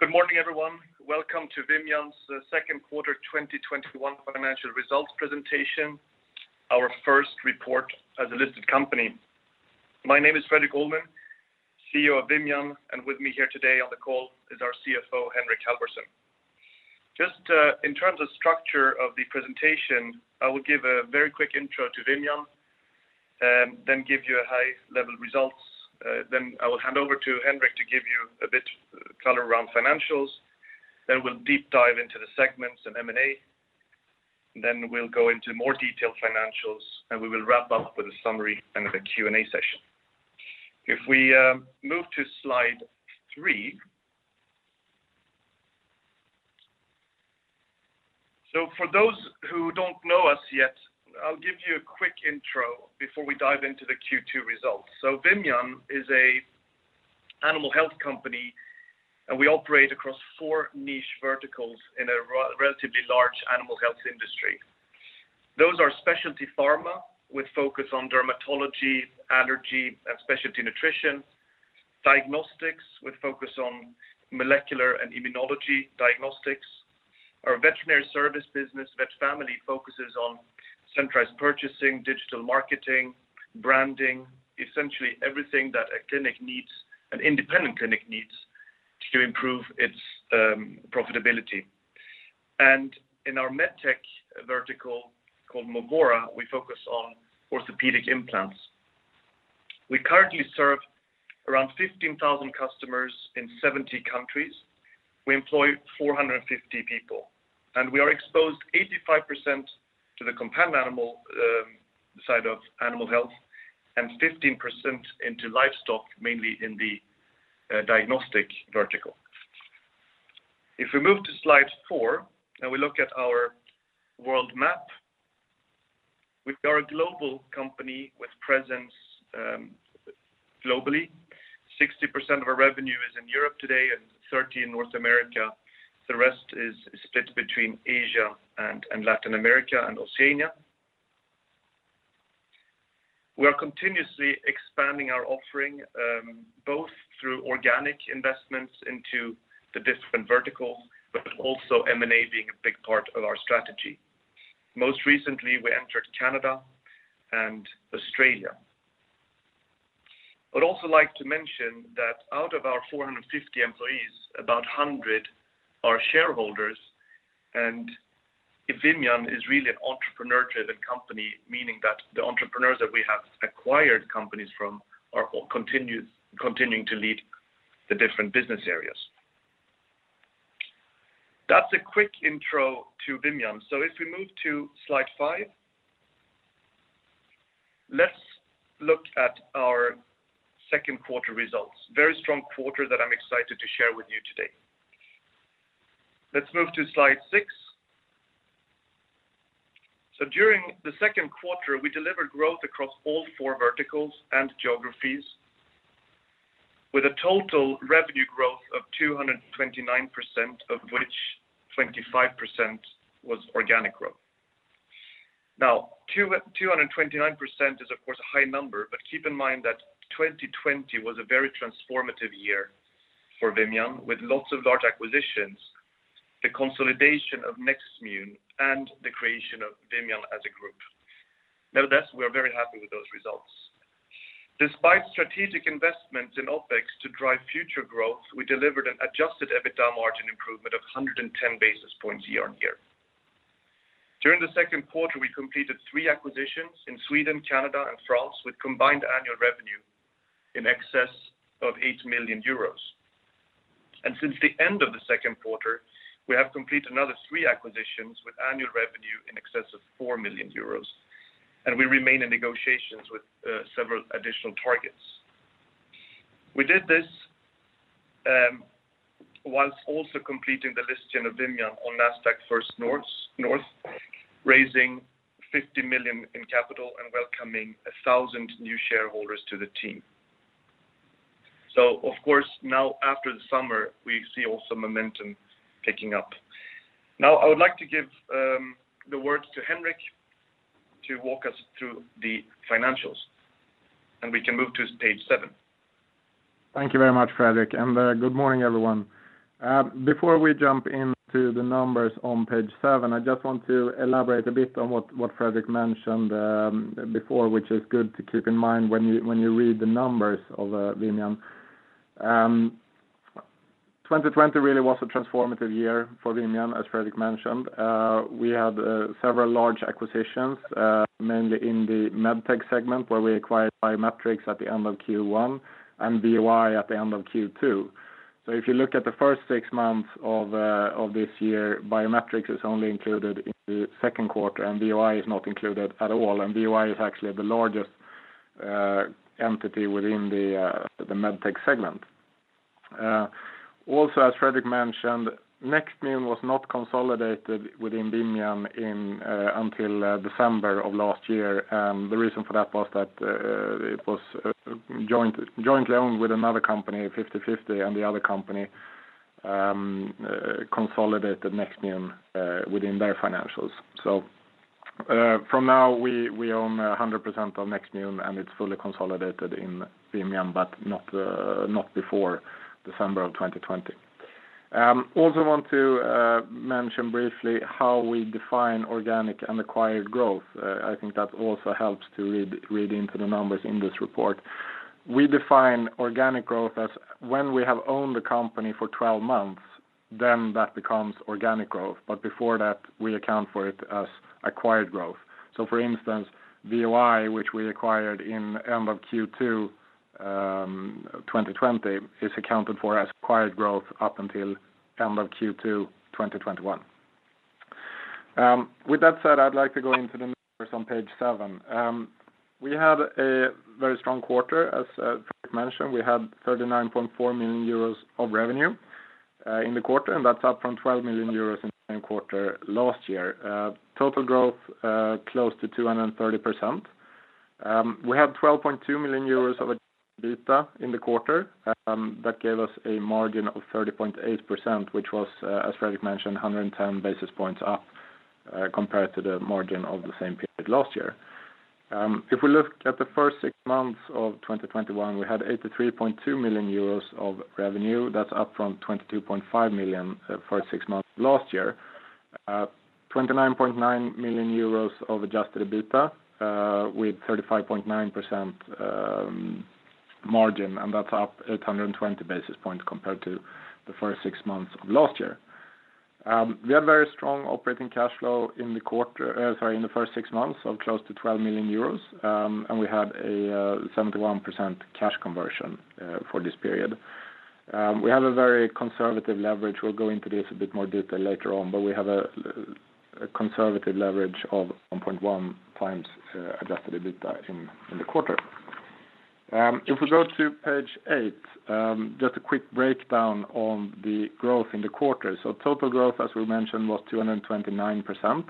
Good morning, everyone. Welcome to Vimian's second quarter 2021 financial results presentation, our first report as a listed company. My name is Fredrik Ullman, CEO of Vimian, and with me here today on the call is our CFO, Henrik Halvorsen. In terms of structure of the presentation, I will give a very quick intro to Vimian, give you a high-level results. I will hand over to Henrik to give you a bit color around financials. We'll deep dive into the segments and M&A. We'll go into more detailed financials, and we will wrap up with a summary and the Q&A session. If we move to slide three. For those who don't know us yet, I'll give you a quick intro before we dive into the Q2 results. Vimian is a animal health company, and we operate across four niche verticals in a relatively large animal health industry. Those are Specialty Pharma with focus on dermatology, allergy, and specialty nutrition. Diagnostics with focus on molecular and immunology diagnostics. Our veterinary service business, VetFamily, focuses on centralized purchasing, digital marketing, branding, essentially everything that an independent clinic needs to improve its profitability. In our MedTech vertical called Movora, we focus on orthopedic implants. We currently serve around 15,000 customers in 70 countries. We employ 450 people, and we are exposed 85% to the companion animal side of animal health and 15% into livestock, mainly in the Diagnostics vertical. If we move to slide four and we look at our world map, we are a global company with presence globally. 60% of our revenue is in Europe today and 30% in North America. The rest is split between Asia and Latin America and Oceania. We are continuously expanding our offering, both through organic investments into the different verticals, but also M&A being a big part of our strategy. Most recently, we entered Canada and Australia. I would also like to mention that out of our 450 employees, about 100 are shareholders, and Vimian is really an entrepreneur-driven company, meaning that the entrepreneurs that we have acquired companies from are continuing to lead the different business areas. That's a quick intro to Vimian. If we move to slide five, let's look at our second quarter results. Very strong quarter that I'm excited to share with you today. Let's move to slide six. During the second quarter, we delivered growth across all four verticals and geographies with a total revenue growth of 229%, of which 25% was organic growth. 229% is of course a high number, but keep in mind that 2020 was a very transformative year for Vimian, with lots of large acquisitions, the consolidation of Nextmune, and the creation of Vimian as a group. Thus, we are very happy with those results. Despite strategic investments in OpEx to drive future growth, we delivered an adjusted EBITDA margin improvement of 110 basis points year on year. During the second quarter, we completed three acquisitions in Sweden, Canada, and France, with combined annual revenue in excess of 8 million euros. Since the end of the second quarter, we have completed another three acquisitions with annual revenue in excess of 4 million euros, and we remain in negotiations with several additional targets. We did this whilst also completing the listing of Vimian on Nasdaq First North, raising 50 million in capital and welcoming 1,000 new shareholders to the team. Of course now after the summer, we see also momentum picking up. I would like to give the words to Henrik to walk us through the financials, and we can move to page seven. Thank you very much, Fredrik. Good morning, everyone. Before we jump into the numbers on page seven, I just want to elaborate a bit on what Fredrik mentioned before, which is good to keep in mind when you read the numbers of Vimian. 2020 really was a transformative year for Vimian, as Fredrik mentioned. We had several large acquisitions, mainly in the MedTech segment, where we acquired BioMedtrix at the end of Q1 and VOI at the end of Q2. If you look at the first six months of this year, BioMedtrix is only included in the second quarter, and VOI is not included at all, and VOI is actually the largest entity within the MedTech segment. Also, as Fredrik mentioned, Nextmune was not consolidated within Vimian until December of last year. The reason for that was that it was jointly owned with another company, 50/50, and the other company consolidated Nextmune within their financials. From now, we own 100% of Nextmune, and it's fully consolidated in Vimian, but not before December of 2020. I also want to mention briefly how we define organic and acquired growth. I think that also helps to read into the numbers in this report. We define organic growth as when we have owned the company for 12 months, then that becomes organic growth, but before that, we account for it as acquired growth. For instance, VOI, which we acquired in end of Q2 2020, is accounted for as acquired growth up until end of Q2 2021. With that said, I'd like to go into the numbers on page seven. We had a very strong quarter, as Fredrik mentioned. We had 39.4 million euros of revenue in the quarter. That's up from 12 million euros in the same quarter last year. Total growth, close to 230%. We had 12.2 million euros of adjusted EBITDA in the quarter. That gave us a margin of 30.8%, which was, as Fredrik mentioned, 110 basis points up compared to the margin of the same period last year. If we look at the first six months of 2021, we had 83.2 million euros of revenue. That's up from 22.5 million for six months last year. 29.9 million euros of adjusted EBITDA, with 35.9% margin. That's up 820 basis points compared to the first six months of last year. We had very strong operating cash flow in the first six months of close to 12 million euros. We had a 71% cash conversion for this period. We have a very conservative leverage. We'll go into this a bit more detail later on, but we have a conservative leverage of 1.1 times adjusted EBITDA in the quarter. If we go to page eight, just a quick breakdown on the growth in the quarter. Total growth, as we mentioned, was 229%,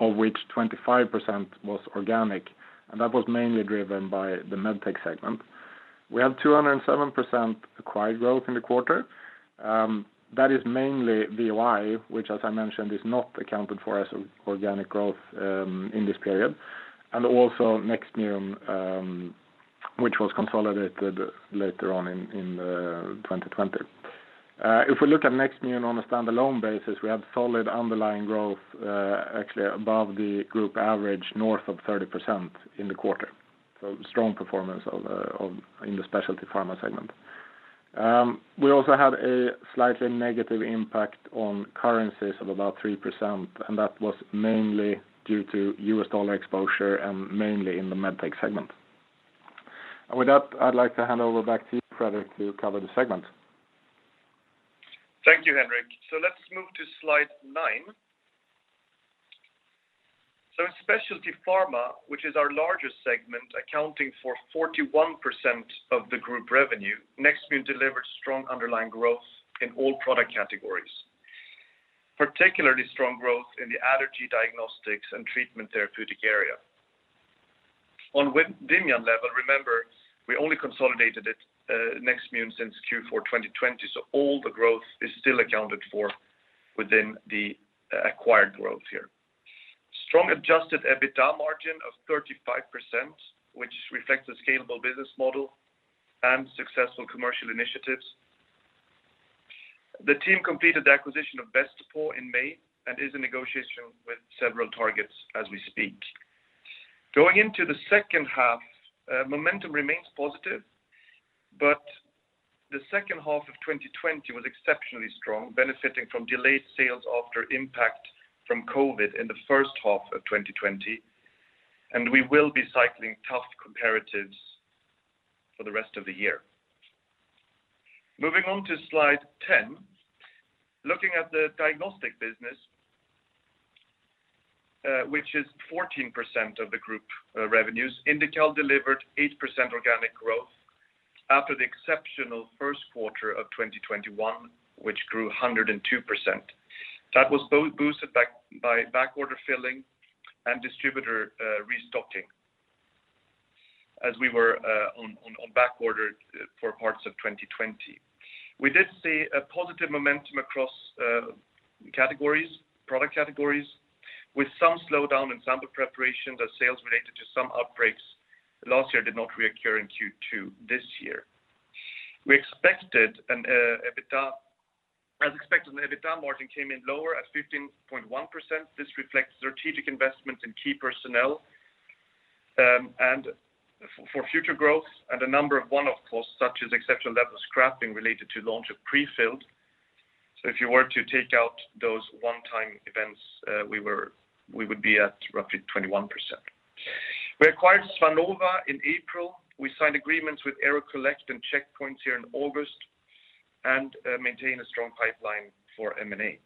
of which 25% was organic, and that was mainly driven by the MedTech segment. We had 207% acquired growth in the quarter. That is mainly VOI, which, as I mentioned, is not accounted for as organic growth in this period, and also Nextmune, which was consolidated later on in 2020. If we look at Nextmune on a standalone basis, we have solid underlying growth, actually above the group average, north of 30% in the quarter. Strong performance in the Specialty Pharma segment. We also had a slightly negative impact on currencies of about 3%. That was mainly due to U.S. dollar exposure and mainly in the MedTech segment. With that, I'd like to hand over back to you, Fredrik, to cover the segment. Thank you, Henrik. Let's move to slide nine. In Specialty Pharma, which is our largest segment, accounting for 41% of the group revenue, Nextmune delivered strong underlying growth in all product categories. Particularly strong growth in the allergy diagnostics and treatment therapeutic area. On Vimian level, remember, we only consolidated Nextmune since Q4 2020, all the growth is still accounted for within the acquired growth here. Strong adjusted EBITDA margin of 35%, which reflects the scalable business model and successful commercial initiatives. The team completed the acquisition of BestPaw in May and is in negotiation with several targets as we speak. Going into the second half, momentum remains positive, the second half of 2020 was exceptionally strong, benefiting from delayed sales after impact from COVID in the first half of 2020, we will be cycling tough comparatives for the rest of the year. Moving on to slide 10. Looking at the Diagnostics business, which is 14% of the group revenues, Indical delivered 8% organic growth after the exceptional first quarter of 2021, which grew 102%. That was both boosted by back order filling and distributor restocking, as we were on back order for parts of 2020. We did see a positive momentum across product categories, with some slowdown in sample preparation as sales related to some outbreaks last year did not reoccur in Q2 this year. As expected, the EBITDA margin came in lower at 15.1%. This reflects strategic investment in key personnel, and for future growth and a number of one-off costs such as exceptional level scrapping related to launch of prefilled. If you were to take out those one-time events, we would be at roughly 21%. We acquired Svanova in April. We signed agreements with AeroCollect and Check-Points here in August and maintain a strong pipeline for M&A.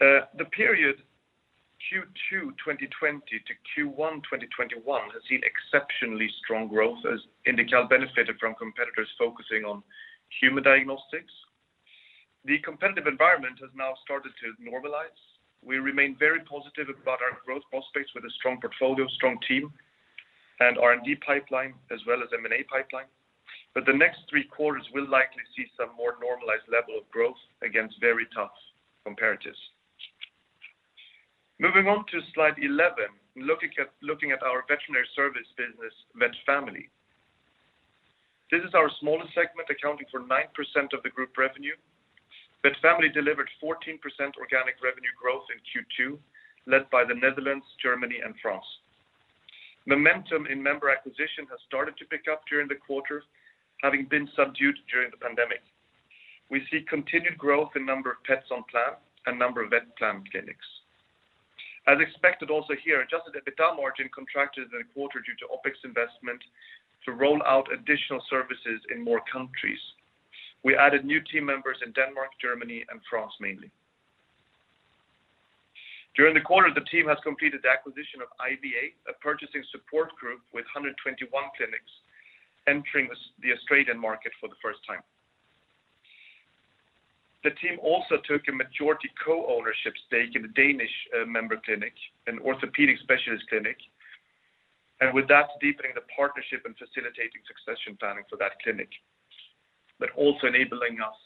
The period Q2 2020 to Q1 2021 has seen exceptionally strong growth as Indical benefited from competitors focusing on human diagnostics. The competitive environment has now started to normalize. We remain very positive about our growth prospects with a strong portfolio, strong team, and R&D pipeline as well as M&A pipeline. The next three quarters will likely see some more normalized level of growth against very tough comparatives. Moving on to slide 11, looking at our Veterinary Services business, VetFamily. This is our smallest segment, accounting for 9% of the group revenue. VetFamily delivered 14% organic revenue growth in Q2, led by the Netherlands, Germany, and France. Momentum in member acquisition has started to pick up during the quarter, having been subdued during the pandemic. We see continued growth in number of pets on plan and number of vet plan clinics. As expected also here, adjusted EBITDA margin contracted in the quarter due to OpEx investment to roll out additional services in more countries. We added new team members in Denmark, Germany, and France, mainly. During the quarter, the team has completed the acquisition of IVA, a purchasing support group with 121 clinics entering the Australian market for the first time. The team also took a majority co-ownership stake in a Danish member clinic, an orthopedic specialist clinic, and with that deepening the partnership and facilitating succession planning for that clinic. Also enabling us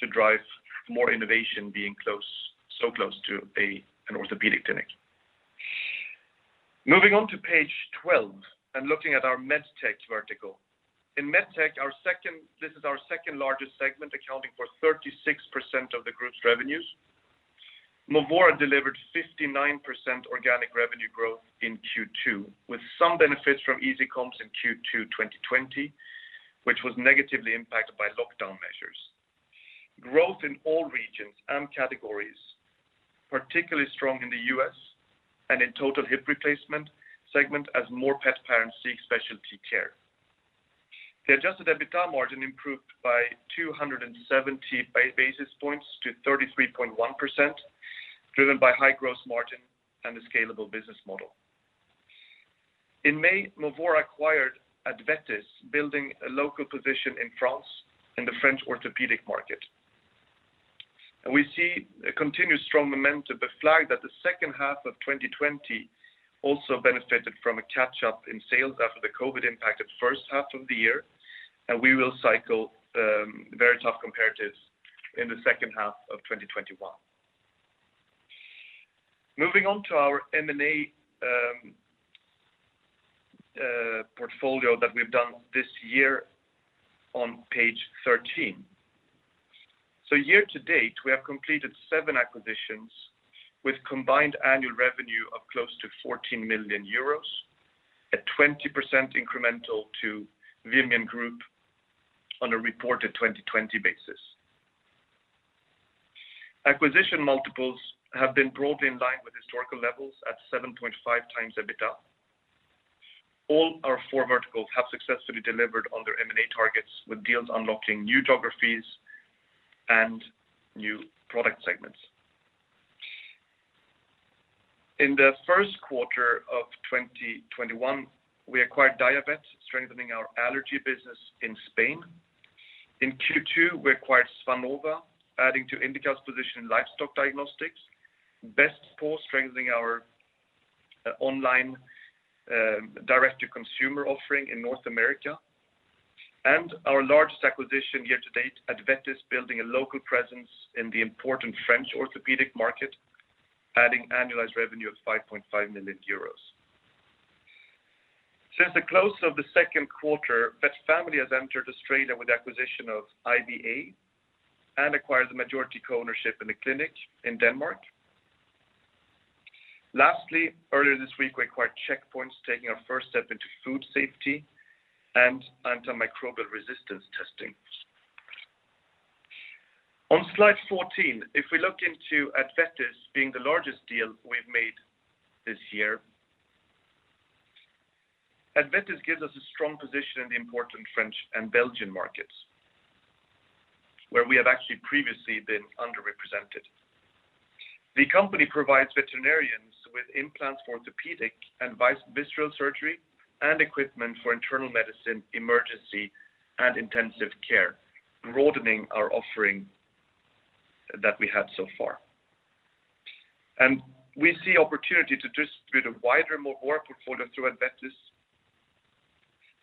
to drive more innovation, being so close to an orthopedic clinic. Moving on to page 12 and looking at our MedTech vertical. In MedTech, this is our second-largest segment, accounting for 36% of the group's revenues. Movora delivered 59% organic revenue growth in Q2, with some benefits from easy comps in Q2 2020, which was negatively impacted by lockdown measures. Growth in all regions and categories, particularly strong in the U.S. and in total hip replacement segment as more pet parents seek specialty care. The adjusted EBITDA margin improved by 270 basis points to 33.1%, driven by high gross margin and a scalable business model. In May, Movora acquired AdVetis, building a local position in France in the French orthopedic market. We see a continued strong momentum but flag that the second half of 2020 also benefited from a catch-up in sales after the COVID impact at the first half of the year, and we will cycle very tough comparatives in the second half of 2021. Moving on to our M&A portfolio that we've done this year on page 13. Year to date, we have completed seven acquisitions with combined annual revenue of close to 14 million euros, at 20% incremental to Vimian Group on a reported 2020 basis. Acquisition multiples have been broadly in line with historical levels at 7.5 times EBITDA. All our four verticals have successfully delivered on their M&A targets with deals unlocking new geographies and new product segments. In the first quarter of 2021, we acquired I-Vet, strengthening our allergy business in Spain. In Q2, we acquired Svanova, adding to Indical's position in livestock diagnostics. BestPaw, strengthening our online direct-to-consumer offering in North America. Our largest acquisition year to date, AdVetis, building a local presence in the important French orthopedic market, adding annualized revenue of 5.5 million euros. Since the close of the second quarter, VetFamily has entered Australia with the acquisition of IVA and acquired the majority co-ownership in a clinic in Denmark. Lastly, earlier this week, we acquired Check-Points, taking our first step into food safety and antimicrobial resistance testing. On slide 14, if we look into AdVetis being the largest deal we’ve made this year. AdVetis gives us a strong position in the important French and Belgian markets, where we have actually previously been underrepresented. The company provides veterinarians with implants for orthopedic and visceral surgery and equipment for internal medicine emergency and intensive care, broadening our offering that we had so far. We see opportunity to distribute a wider Movora portfolio through AdVetis,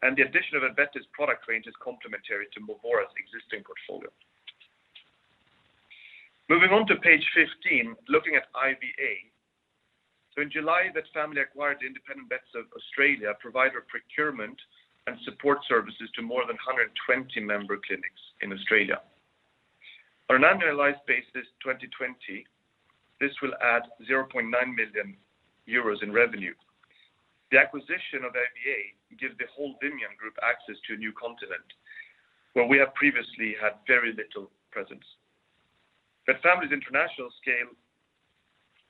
and the addition of AdVetis product range is complementary to Movora’s existing portfolio. Moving on to page 15, looking at IVA. In July, VetFamily acquired Independent Vets of Australia, provider of procurement and support services to more than 120 member clinics in Australia. On an annualized basis 2020, this will add 0.9 million euros in revenue. The acquisition of IVA gives the whole Vimian Group access to a new continent, where we have previously had very little presence. VetFamily's international scale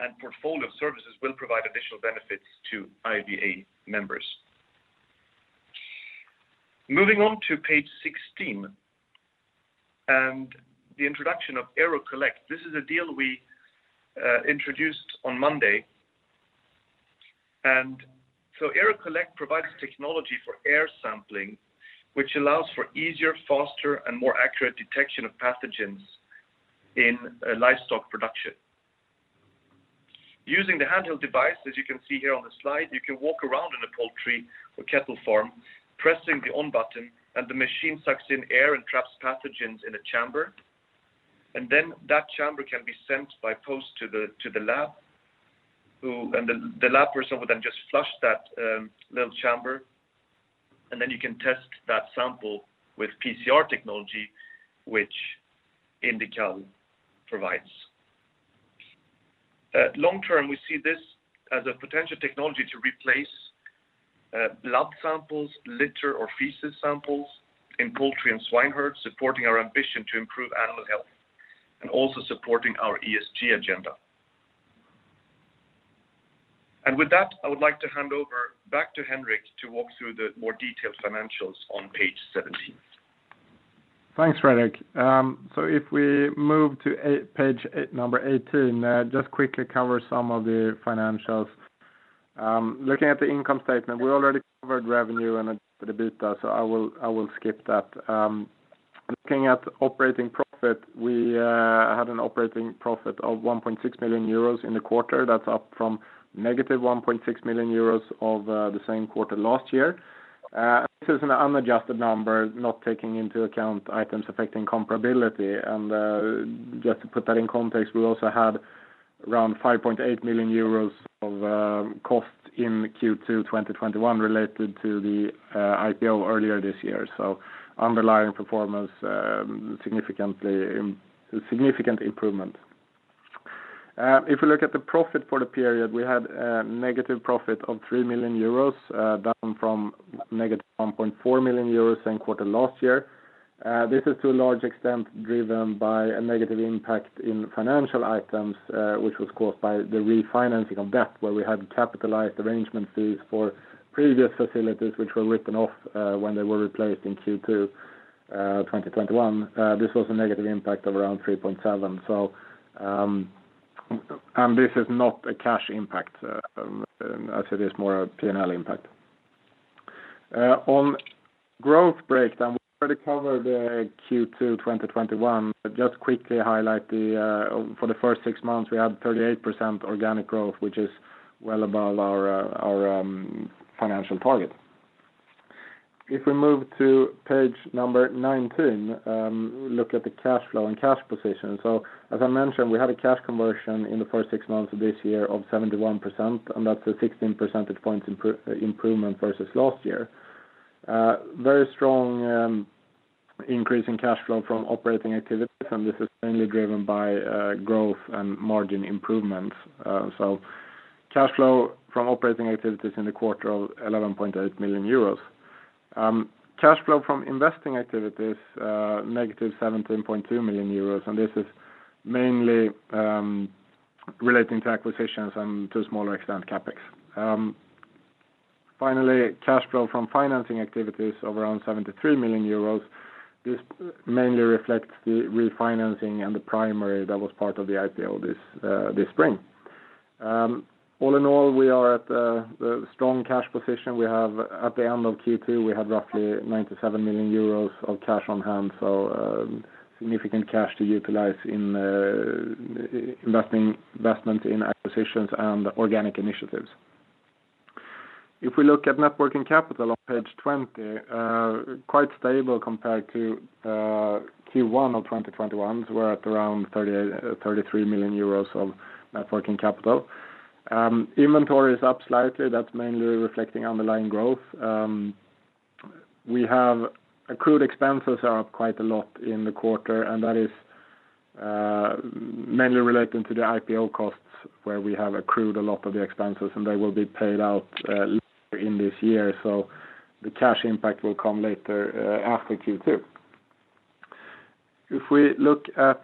and portfolio of services will provide additional benefits to IVA members. Moving on to page 16 and the introduction of AeroCollect. This is a deal we introduced on Monday. AeroCollect provides technology for air sampling, which allows for easier, faster, and more accurate detection of pathogens in livestock production. Using the handheld device, as you can see here on the slide, you can walk around in a poultry or cattle farm, pressing the on button, and the machine sucks in air and traps pathogens in a chamber. That chamber can be sent by post to the lab, and the lab person would then just flush that little chamber, and then you can test that sample with PCR technology, INDICAL Bioscience provides. Long term, we see this as a potential technology to replace blood samples, litter, or feces samples in poultry and swine herd, supporting our ambition to improve animal health, and also supporting our ESG agenda. With that, I would like to hand over back to Henrik to walk through the more detailed financials on page 17. Thanks, Fredrik. If we move to page number 18, just quickly cover some of the financials. Looking at the income statement, we already covered revenue and EBITDA, I will skip that. Looking at operating profit, we had an operating profit of 1.6 million euros in the quarter. That's up from -1.6 million euros of the same quarter last year. This is an unadjusted number, not taking into account items affecting comparability. Just to put that in context, we also had around 5.8 million euros of cost in Q2 2021 related to the IPO earlier this year. Underlying performance, significant improvement. If we look at the profit for the period, we had a negative profit of 3 million euros, down from -1.4 million euros same quarter last year. This is to a large extent driven by a negative impact in financial items, which was caused by the refinancing of debt, where we had capitalized arrangement fees for previous facilities, which were written off when they were replaced in Q2 2021. This was a negative impact of around 3.7. This is not a cash impact, as it is more a P&L impact. On growth breakdown, we already covered the Q2 2021, but just quickly highlight for the first six months, we had 38% organic growth, which is well above our financial target. If we move to page number 19, look at the cash flow and cash position. As I mentioned, we had a cash conversion in the first six months of this year of 71%, and that's a 16 percentage points improvement versus last year. Very strong increase in cash flow from operating activities, and this is mainly driven by growth and margin improvements. Cash flow from operating activities in the quarter of 11.8 million euros. Cash flow from investing activities, -17.2 million euros, and this is mainly relating to acquisitions and to a smaller extent, CapEx. Finally, cash flow from financing activities of around 73 million euros. This mainly reflects the refinancing and the primary that was part of the IPO this spring. All in all, we are at a strong cash position. At the end of Q2, we have roughly 97 million euros of cash on hand, so significant cash to utilize in investment in acquisitions and organic initiatives. If we look at net working capital on page 20, quite stable compared to Q1 of 2021. We're at around 33 million euros of net working capital. Inventory is up slightly. That's mainly reflecting underlying growth. Accrued expenses are up quite a lot in the quarter, and that is mainly relating to the IPO costs, where we have accrued a lot of the expenses, and they will be paid out later in this year. The cash impact will come later after Q2. If we look at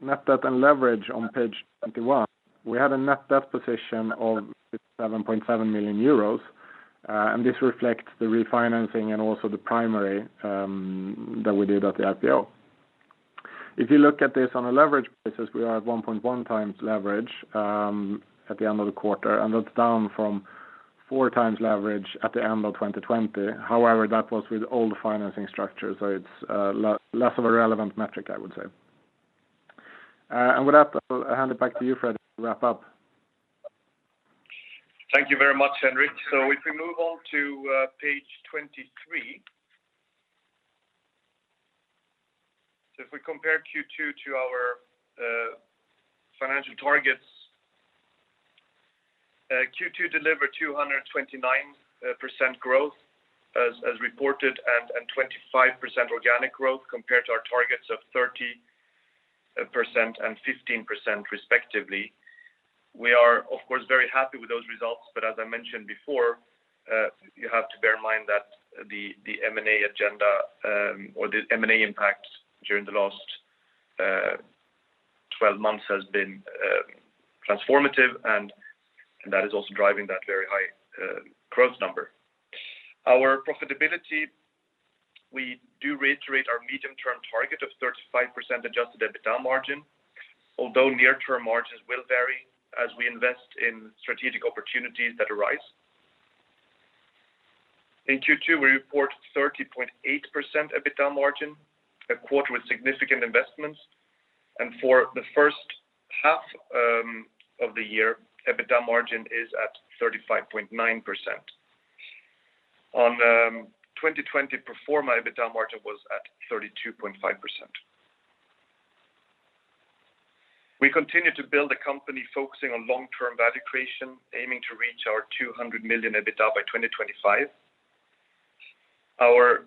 net debt and leverage on page 21, we had a net debt position of 7.7 million euros, and this reflects the refinancing and also the primary that we did at the IPO. If you look at this on a leverage basis, we are at 1.1 times leverage at the end of the quarter, and that's down from four times leverage at the end of 2020. That was with old financing structure, so it's less of a relevant metric, I would say. With that, I'll hand it back to you, Fredrik, to wrap up. Thank you very much, Henrik. If we move on to page 23. If we compare Q2 to our financial targets, Q2 delivered 229% growth as reported, and 25% organic growth compared to our targets of 30% and 15% respectively. We are, of course, very happy with those results, but as I mentioned before, you have to bear in mind that the M&A agenda, or the M&A impact during the last 12 months has been transformative, and that is also driving that very high growth number. Our profitability, we do reiterate our medium-term target of 35% adjusted EBITDA margin, although near-term margins will vary as we invest in strategic opportunities that arise. In Q2, we report 30.8% EBITDA margin, a quarter with significant investments, and for the first half of the year, EBITDA margin is at 35.9%. On 2020, pro forma EBITDA margin was at 32.5%. We continue to build a company focusing on long-term value creation, aiming to reach our 200 million EBITDA by 2025. Our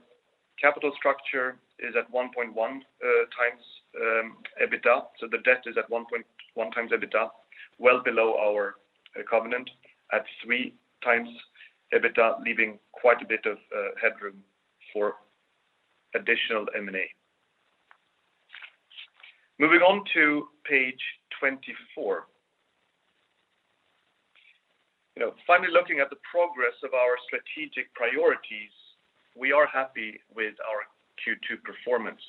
capital structure is at 1.1x EBITDA, so the debt is at 1.1x EBITDA, well below our covenant at 3x EBITDA, leaving quite a bit of headroom for additional M&A. Moving on to page 24. Finally, looking at the progress of our strategic priorities, we are happy with our Q2 performance.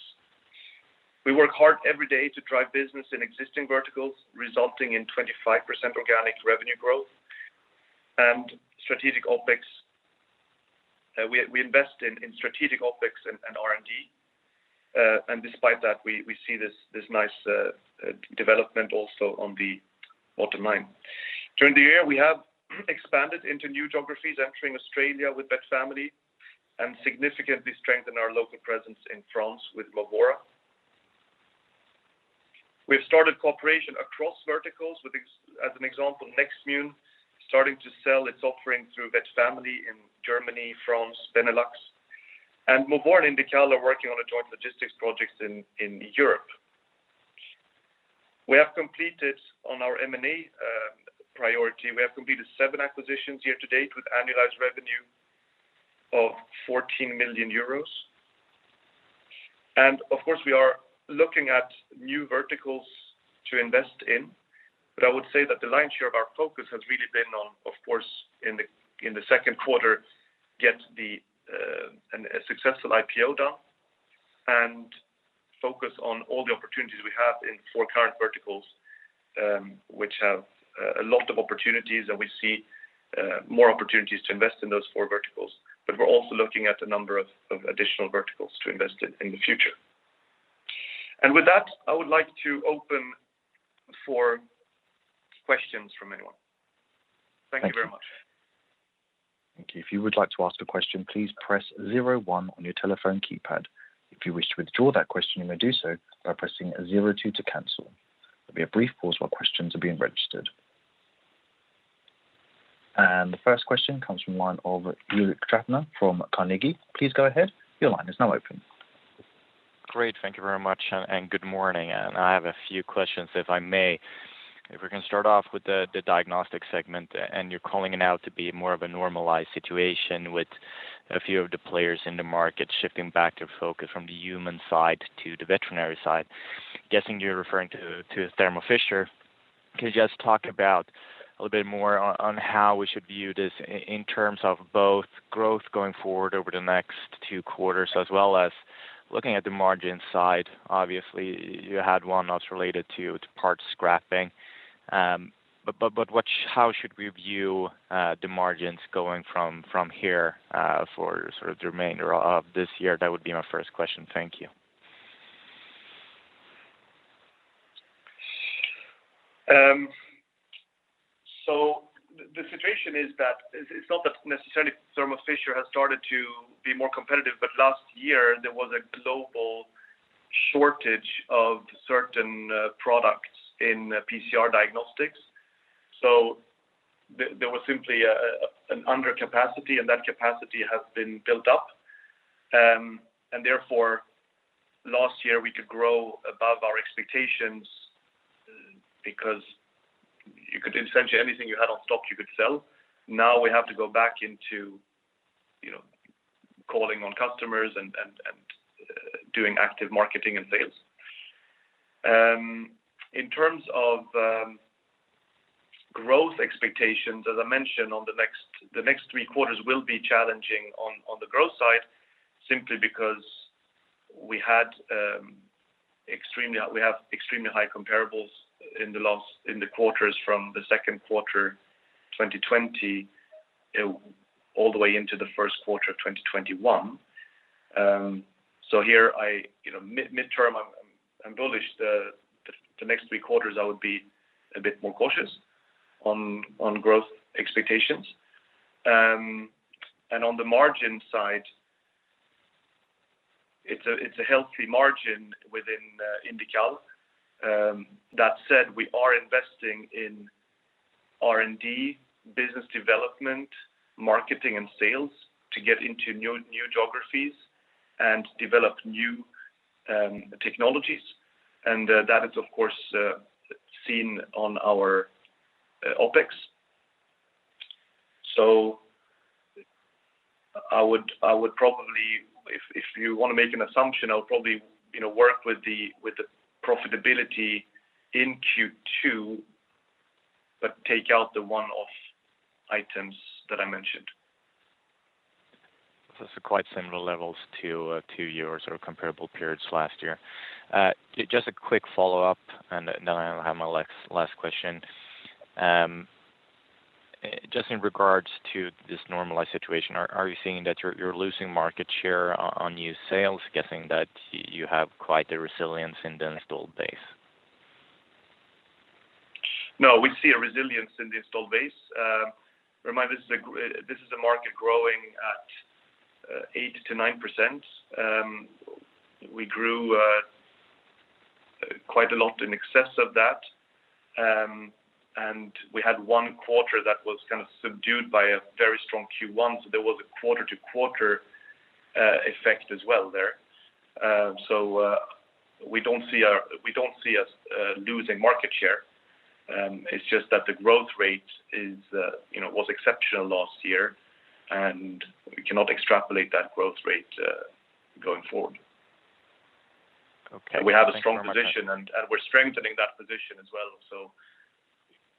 We work hard every day to drive business in existing verticals, resulting in 25% organic revenue growth and strategic OpEx. We invest in strategic OpEx and R&D. Despite that, we see this nice development also on the bottom line. During the year, we have expanded into new geographies, entering Australia with VetFamily and significantly strengthened our local presence in France with Movora. We've started cooperation across verticals with, as an example, Nextmune starting to sell its offering through VetFamily in Germany, France, Benelux. Movora INDICAL Bioscience are working on a joint logistics projects in Europe. On our M&A priority, we have completed seven acquisitions year to date with annualized revenue of 14 million euros. Of course, we are looking at new verticals to invest in. I would say that the lion's share of our focus has really been on, of course, in the second quarter, get a successful IPO done and focus on all the opportunities we have in four current verticals, which have a lot of opportunities, and we see more opportunities to invest in those four verticals. We're also looking at a number of additional verticals to invest in in the future. With that, I would like to open for questions from anyone. Thank you very much. Thank you. If you would like to ask a question, please press zero one on your telephone keypad. If you wish to withdraw that question, you may do so by pressing zero two to cancel. There'll be a brief pause while questions are being registered. The first question comes from the line of Ulrik Trattner from Carnegie. Please go ahead. Your line is now open. Thank you very much, good morning. I have a few questions, if I may. If we can start off with the Diagnostics segment, and you're calling it out to be more of a normalized situation with a few of the players in the market shifting back to focus from the human side to the veterinary side. Guessing you're referring to Thermo Fisher. Could you just talk about a little bit more on how we should view this in terms of both growth going forward over the next two quarters, as well as looking at the margin side? Obviously, you had one that's related to parts scrapping. How should we view the margins going from here for sort of the remainder of this year? That would be my first question. Thank you. The situation is that it's not that necessarily Thermo Fisher has started to be more competitive, but last year, there was a global shortage of certain products in PCR diagnostics. There was simply an under capacity, and that capacity has been built up. Therefore, last year, we could grow above our expectations because you could do essentially anything you had on stock, you could sell. Now we have to go back into calling on customers and doing active marketing and sales. In terms of growth expectations, as I mentioned, the next three quarters will be challenging on the growth side, simply because we have extremely high comparables in the quarters from the second quarter 2020, all the way into the first quarter of 2021. Here, midterm, I'm bullish. The next three quarters, I would be a bit more cautious on growth expectations. On the margin side, it's a healthy margin within Indical. That said, we are investing in R&D, business development, marketing, and sales to get into new geographies and develop new technologies. That is, of course, seen on our OpEx. I would probably, if you want to make an assumption, I would probably work with the profitability in Q2. Take out the one-off items that I mentioned. It's quite similar levels to your comparable periods last year. Just a quick follow-up, and then I'll have my last question. Just in regards to this normalized situation, are you seeing that you're losing market share on used sales, guessing that you have quite the resilience in the installed base? No, we see a resilience in the installed base. Remember, this is a market growing at 8%-9%. We grew quite a lot in excess of that. We had one quarter that was subdued by a very strong Q1, so there was a quarter-to-quarter effect as well there. We don't see us losing market share. It's just that the growth rate was exceptional last year, and we cannot extrapolate that growth rate going forward. Okay. Thank you very much. We have a strong position, and we're strengthening that position as well.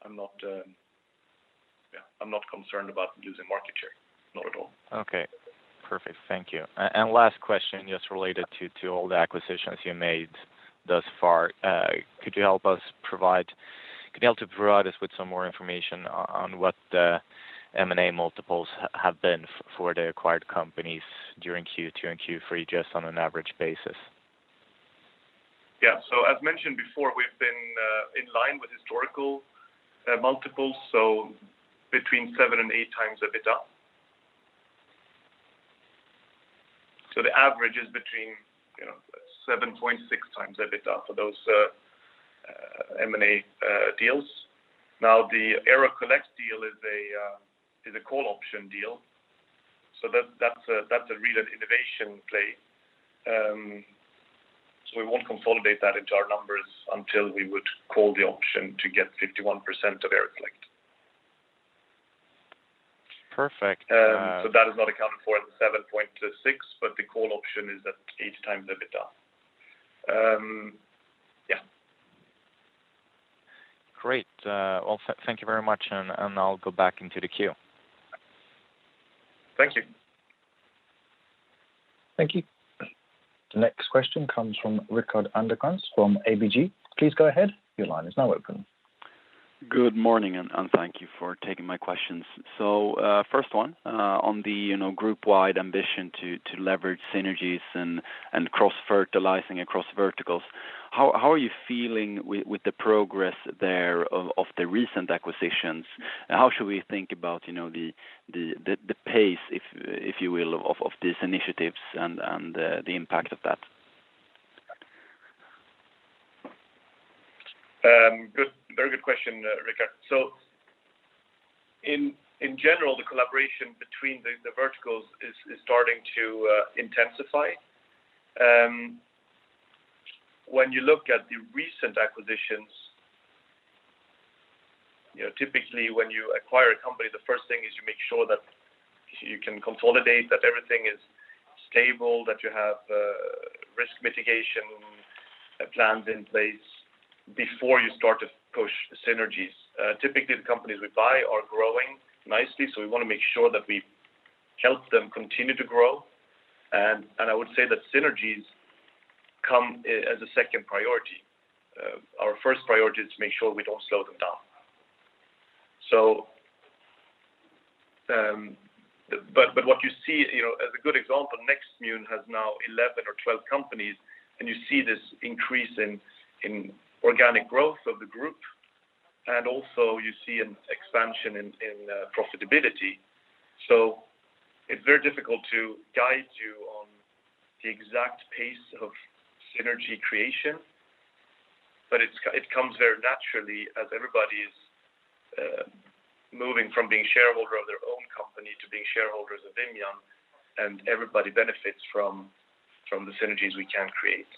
I'm not concerned about losing market share, not at all. Okay, perfect. Thank you. Last question, just related to all the acquisitions you made thus far. Could you help us provide us with some more information on what the M&A multiples have been for the acquired companies during Q2 and Q3, just on an average basis? As mentioned before, we've been in line with historical multiples, between seven and eight times EBITDA. The average is between 7.6 times EBITDA for those M&A deals. Now, the AeroCollect deal is a call option deal. That's a real innovation play. We won't consolidate that into our numbers until we would call the option to get 51% of AeroCollect. Perfect. That is not accounted for in the 7.6, but the call option is at eight times EBITDA. Yeah. Great. Well, thank you very much, and I'll go back into the queue. Thank you. Thank you. The next question comes from Rickard Anderkrans from ABG. Please go ahead. Your line is now open. Good morning, thank you for taking my questions. First one, on the group-wide ambition to leverage synergies and cross-fertilizing across verticals, how are you feeling with the progress there of the recent acquisitions? How should we think about the pace, if you will, of these initiatives and the impact of that? Very good question, Rickard. In general, the collaboration between the verticals is starting to intensify. When you look at the recent acquisitions, typically when you acquire a company, the first thing is you make sure that you can consolidate, that everything is stable, that you have risk mitigation plans in place before you start to push synergies. Typically, the companies we buy are growing nicely, so we want to make sure that we help them continue to grow, and I would say that synergies come as a second priority. Our first priority is to make sure we don't slow them down. What you see as a good example, Nextmune has now 11 or 12 companies, and you see this increase in organic growth of the group, and also you see an expansion in profitability. It's very difficult to guide you on the exact pace of synergy creation, but it comes very naturally as everybody's moving from being shareholder of their own company to being shareholders of Vimian, and everybody benefits from the synergies we can create.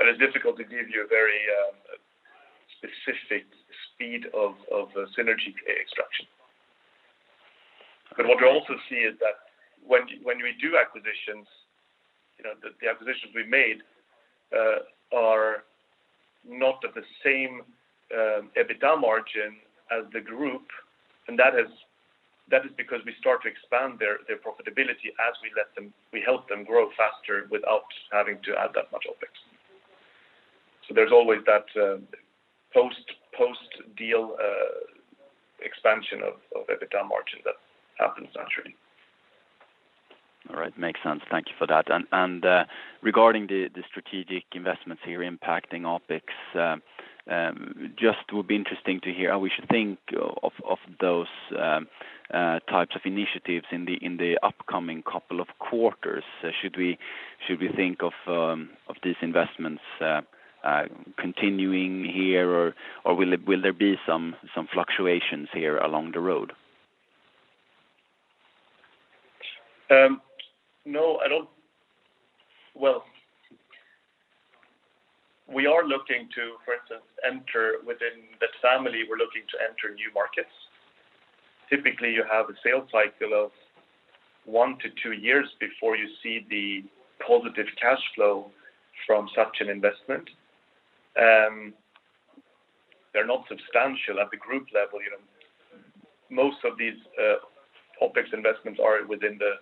It's difficult to give you a very specific speed of synergy extraction. Okay. What you also see is that when we do acquisitions, the acquisitions we made are not at the same EBITDA margin as the group. That is because we start to expand their profitability as we help them grow faster without having to add that much OpEx. There's always that post-deal expansion of EBITDA margin that happens naturally. All right. Makes sense. Thank you for that. Regarding the strategic investments here impacting OpEx, just would be interesting to hear how we should think of those types of initiatives in the upcoming couple of quarters. Should we think of these investments continuing here, or will there be some fluctuations here along the road? No. Well, we are looking to, for instance, within VetFamily, we are looking to enter new markets. Typically, you have a sales cycle of one to two years before you see the positive cash flow from such an investment. They are not substantial at the group level. Most of these OpEx investments are within the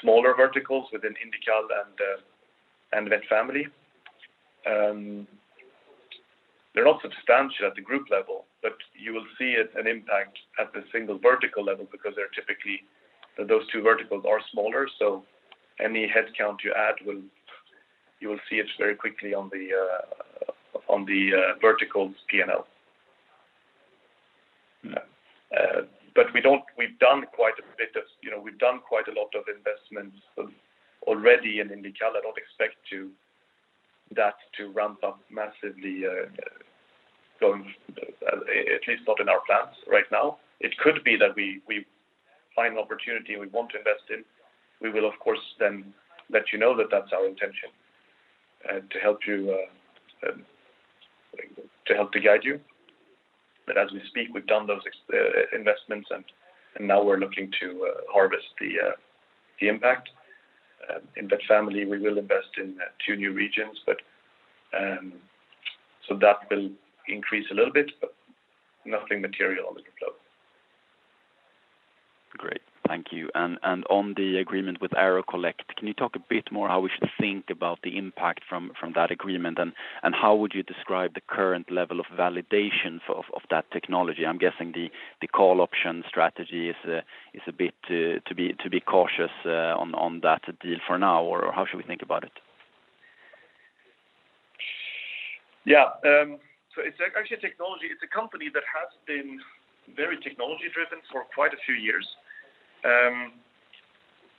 smaller verticals within Indical and VetFamily. They are not substantial at the group level, but you will see an impact at the single vertical level because those two verticals are smaller, so any head count you add, you will see it very quickly on the vertical P&L. Yeah. We've done quite a lot of investments already in Indical. I don't expect that to ramp up massively, at least not in our plans right now. It could be that we find an opportunity we want to invest in. We will, of course, then let you know that that's our intention, to help to guide you. As we speak, we've done those investments, and now we're looking to harvest the impact. In VetFamily, we will invest in two new regions, so that will increase a little bit, but nothing material on the flow. Great. Thank you. On the agreement with AeroCollect, can you talk a bit more how we should think about the impact from that agreement, and how would you describe the current level of validation of that technology? I'm guessing the call option strategy is a bit to be cautious on that deal for now, or how should we think about it? Yeah. It's a company that has been very technology-driven for quite a few years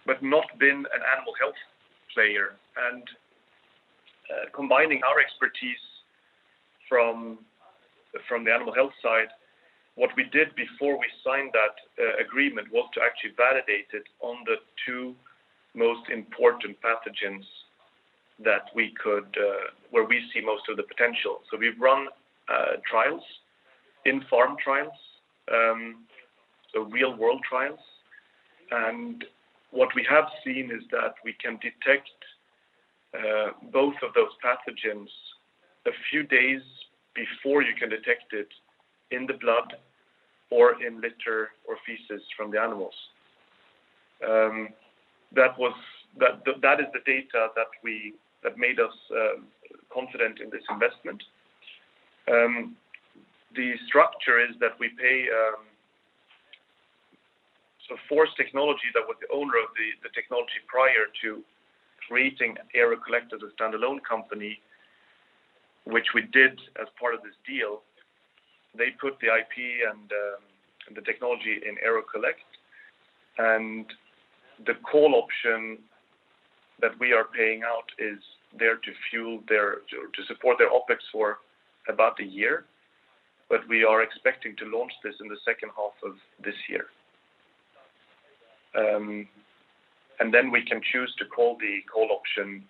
but not been an animal health player. Combining our expertise from the animal health side, what we did before we signed that agreement was to actually validate it on the two most important pathogens, where we see most of the potential. We've run trials, informed trials, real-world trials. What we have seen is that we can detect both of those pathogens a few days before you can detect it in the blood or in litter or feces from the animals. That is the data that made us confident in this investment. The structure is that we pay FORCE Technology, that was the owner of the technology prior to creating AeroCollect as a standalone company, which we did as part of this deal. They put the IP and the technology in AeroCollect, the call option that we are paying out is there to support their OpEx for about a year, we are expecting to launch this in the second half of this year. We can choose to call the call option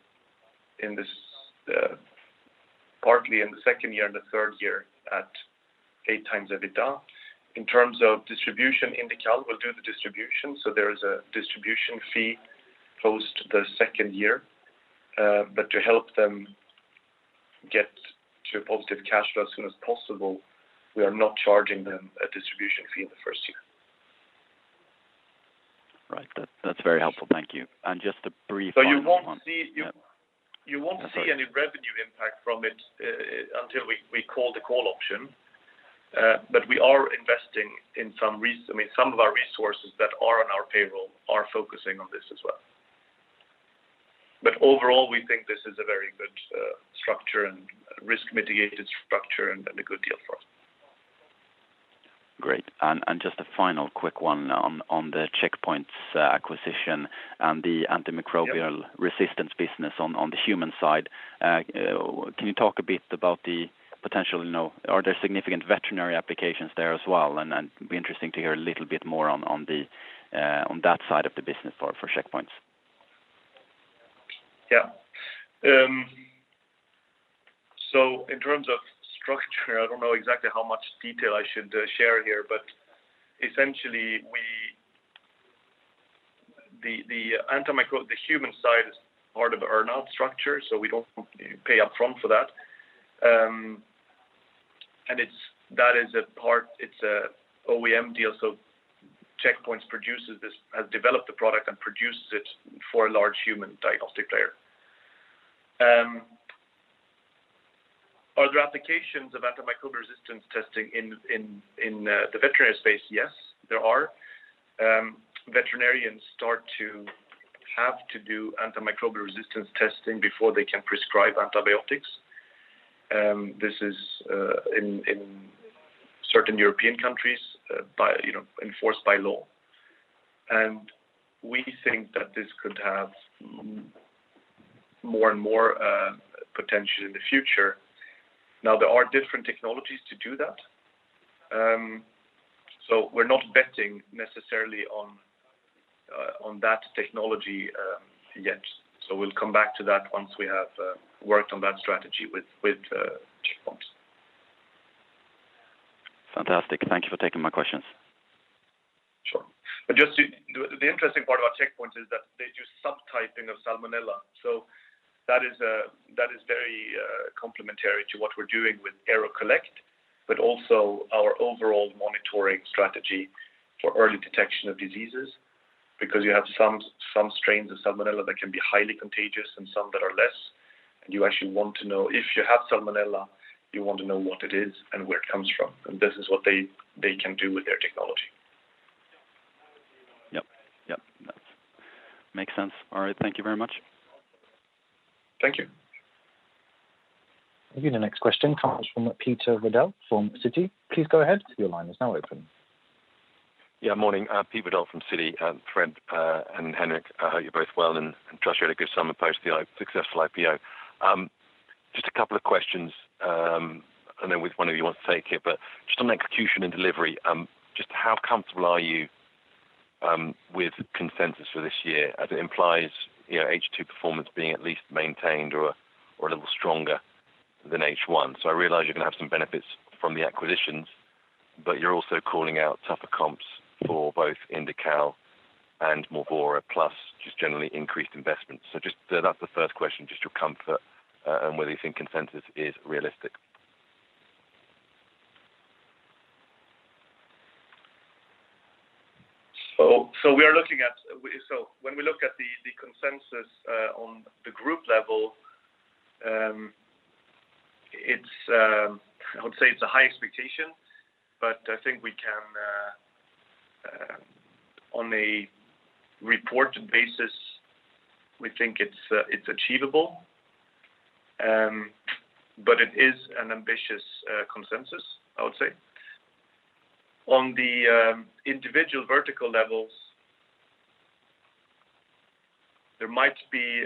partly in the second year and the third year at eight times EBITDA. In terms of distribution, Indical will do the distribution, there is a distribution fee post the second year. To help them get to positive cash flow as soon as possible, we are not charging them a distribution fee in the first year. Right. That's very helpful. Thank you. You won't see any revenue impact from it until we call the call option. We are investing in some of our resources that are on our payroll are focusing on this as well. Overall, we think this is a very good structure and risk-mitigated structure and a good deal for us. Great. Just a final quick one on the Check-Points acquisition and the antimicrobial resistance business on the human side. Can you talk a bit about the potential? Are there significant veterinary applications there as well? It'd be interesting to hear a little bit more on that side of the business for Check-Points. In terms of structure, I don't know exactly how much detail I should share here. Essentially, the human side is part of the earn-out structure, so we don't pay up front for that. That is a part, it's a OEM deal, so Check-Points has developed the product and produces it for a large human diagnostic player. Are there applications of antimicrobial resistance testing in the veterinary space? Yes, there are. Veterinarians start to have to do antimicrobial resistance testing before they can prescribe antibiotics. This is in certain European countries enforced by law. We think that this could have more and more potential in the future. Now, there are different technologies to do that. We're not betting necessarily on that technology yet. We'll come back to that once we have worked on that strategy with Check-Points. Fantastic. Thank you for taking my questions. Sure. The interesting part about Check-Points is that they do subtyping of Salmonella. That is very complementary to what we're doing with AeroCollect, but also our overall monitoring strategy for early detection of diseases, because you have some strains of Salmonella that can be highly contagious and some that are less, and you actually want to know if you have Salmonella, you want to know what it is and where it comes from, and this is what they can do with their technology. Yep. That makes sense. All right. Thank you very much. Thank you. Again, the next question comes from Peter Vida from Citi. Please go ahead. Your line is now open. Morning. Peter Vida from Citi. Fred and Henrik, I hope you're both well and trust you had a good summer post the successful IPO. A couple of questions, I don't know which one of you wants to take it, on execution and delivery, how comfortable are you with consensus for this year, as it implies H2 performance being at least maintained or a little stronger than H1? I realize you're going to have some benefits from the acquisitions, you're also calling out tougher comps for both Indical and Movora, plus generally increased investments. That's the first question, your comfort and whether you think consensus is realistic. When we look at the consensus on the group level, I would say it's a high expectation, but I think on a reported basis, we think it's achievable. It is an ambitious consensus, I would say. On the individual vertical levels, there might be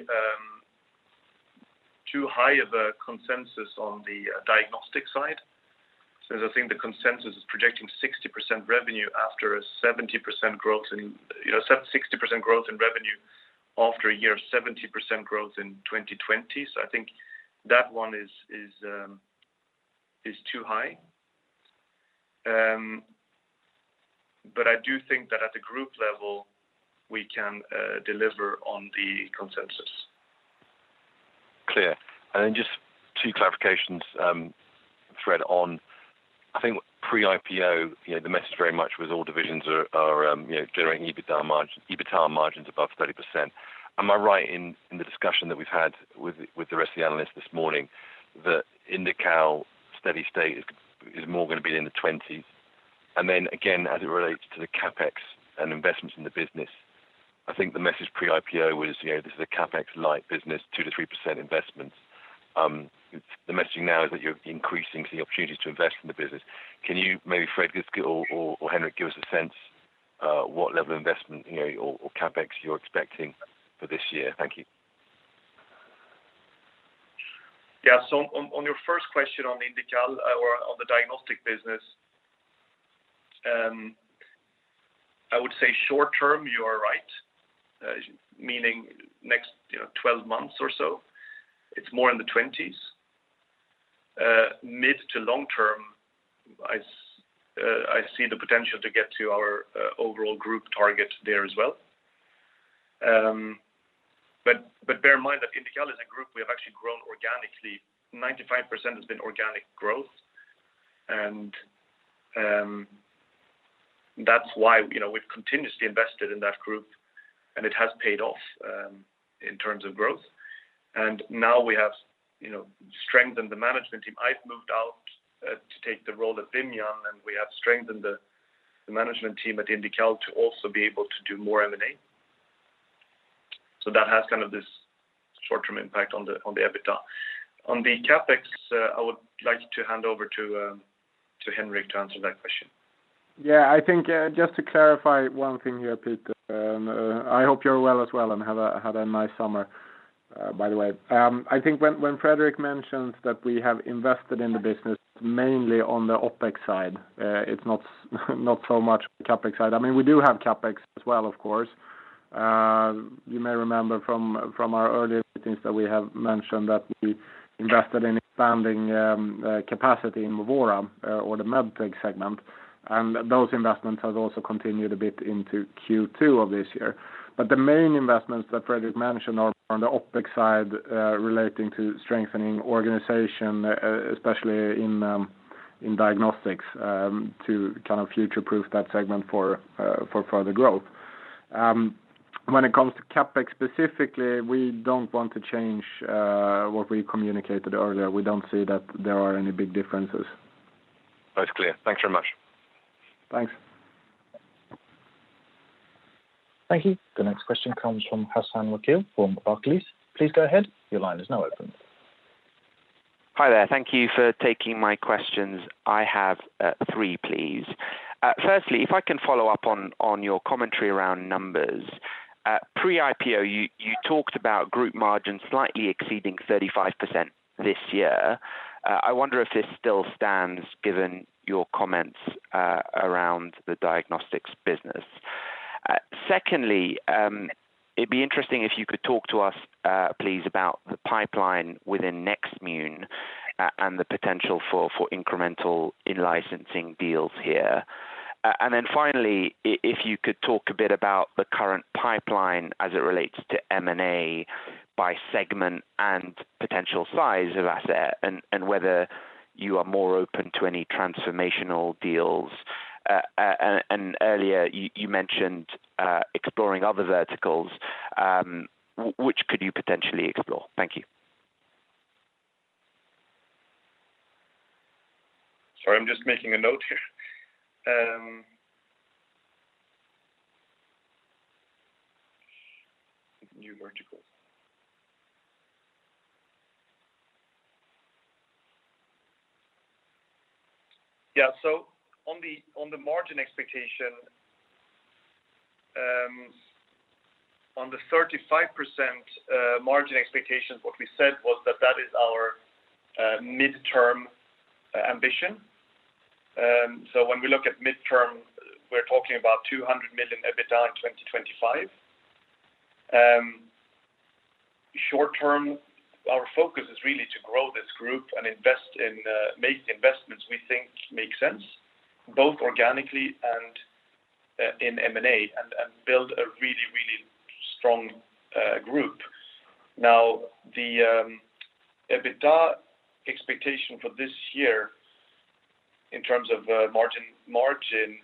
too high of a consensus on the Diagnostics side, since I think the consensus is projecting 60% growth in revenue after a year of 70% growth in 2020. I think that one is too high. I do think that at the group level, we can deliver on the consensus. Clear. Just two clarifications, Fredrik, on. I think pre-IPO, the message very much was all divisions are generating EBITDA margins above 30%. Am I right in the discussion that we've had with the rest of the analysts this morning that Indical steady state is more going to be in the 20s? As it relates to the CapEx and investments in the business, I think the message pre-IPO was, this is a CapEx light business, 2%-3% investments. The messaging now is that you're increasing the opportunities to invest in the business. Can you, maybe Fredrik or Henrik, give us a sense what level of investment or CapEx you're expecting for this year? Thank you. On your first question on Indical or on the Diagnostics business, I would say short term, you are right. Meaning next 12 months or so, it's more in the 20s. Mid to long term, I see the potential to get to our overall group target there as well. Bear in mind that Indical as a group, we have actually grown organically. 95% has been organic growth, that's why we've continuously invested in that group, and it has paid off in terms of growth. Now we have strengthened the management team. I've moved out to take the role at Vimian, and we have strengthened the management team at Indical to also be able to do more M&A. That has this short-term impact on the EBITDA. On the CapEx, I would like to hand over to Henrik to answer that question. I think just to clarify one thing here, Peter. I hope you're well as well and had a nice summer, by the way. I think when Fredrik mentioned that we have invested in the business mainly on the OpEx side, it's not so much CapEx side. We do have CapEx as well, of course. You may remember from our earlier meetings that we have mentioned that we invested in expanding capacity in Movora or the MedTech segment, and those investments have also continued a bit into Q2 of this year. The main investments that Fredrik mentioned are on the OpEx side relating to strengthening organization, especially in Diagnostics, to future-proof that segment for further growth. When it comes to CapEx specifically, we don't want to change what we communicated earlier. We don't see that there are any big differences. That's clear. Thanks very much. Thanks. Thank you. The next question comes from Hassan Al-Wakeel from Barclays. Please go ahead. Your line is now open. Hi there. Thank you for taking my questions. I have three, please. Firstly, if I can follow up on your commentary around numbers. Pre-IPO, you talked about group margins slightly exceeding 35% this year. I wonder if this still stands given your comments around the Diagnostics business. Secondly, it'd be interesting if you could talk to us, please, about the pipeline within Nextmune and the potential for incremental in-licensing deals here. Finally, if you could talk a bit about the current pipeline as it relates to M&A by segment and potential size of asset, and whether you are more open to any transformational deals. Earlier, you mentioned exploring other verticals. Which could you potentially explore? Thank you. Sorry, I'm just making a note here. New verticals. On the margin expectation, on the 35% margin expectations, what we said was that that is our midterm ambition. When we look at midterm, we're talking about 200 million EBITDA in 2025. Short term, our focus is really to grow this group and make investments we think make sense, both organically and in M&A, and build a really strong group. The EBITDA expectation for this year, in terms of margin,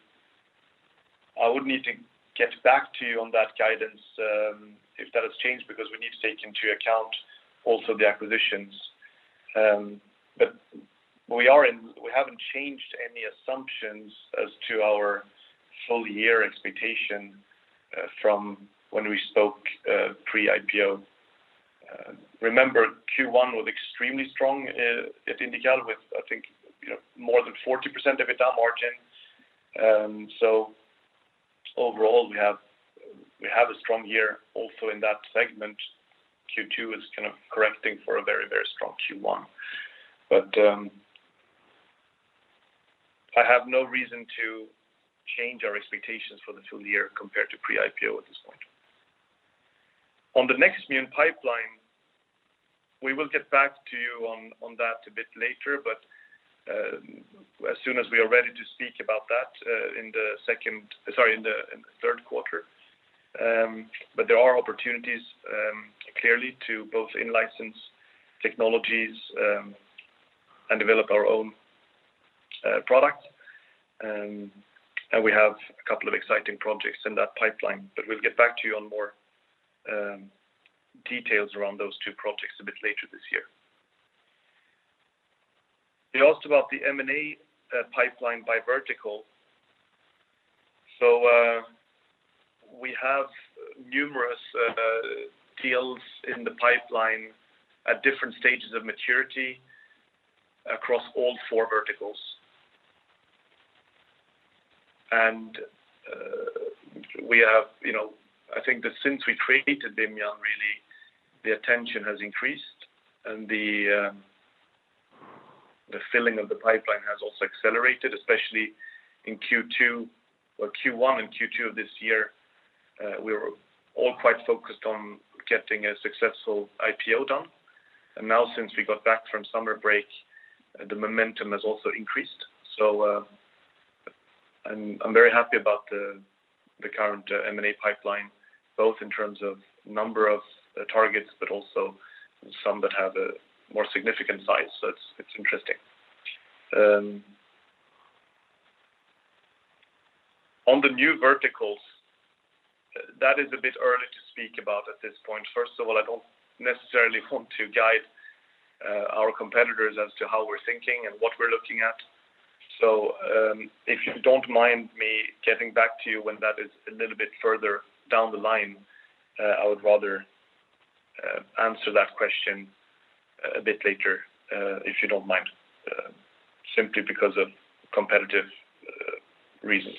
I would need to get back to you on that guidance, if that has changed, because we need to take into account also the acquisitions. We haven't changed any assumptions as to our full-year expectation from when we spoke pre-IPO. Remember, Q1 was extremely strong INDICAL Bioscience with, I think, more than 40% EBITDA margin. Overall, we have a strong year also in that segment. Q2 is kind of correcting for a very strong Q1. I have no reason to change our expectations for the full year compared to pre-IPO at this point. On the Nextmune pipeline, we will get back to you on that a bit later, as soon as we are ready to speak about that in the third quarter. There are opportunities, clearly, to both in-license technologies and develop our own product. We have a couple of exciting projects in that pipeline. We'll get back to you on more details around those two projects a bit later this year. You asked about the M&A pipeline by vertical. We have numerous deals in the pipeline at different stages of maturity across all four verticals. I think that since we created Vimian really, the attention has increased, and the filling of the pipeline has also accelerated, especially in Q1 and Q2 of this year. We were all quite focused on getting a successful IPO done. Now since we got back from summer break, the momentum has also increased. I'm very happy about the current M&A pipeline, both in terms of number of targets, but also some that have a more significant size. It's interesting. On the new verticals, that is a bit early to speak about at this point. First of all, I don't necessarily want to guide our competitors as to how we're thinking and what we're looking at. If you don't mind me getting back to you when that is a little bit further down the line, I would rather answer that question a bit later if you don't mind, simply because of competitive reasons.